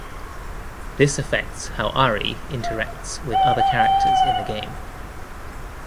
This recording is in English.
This affects how Ari interacts with other characters in the game.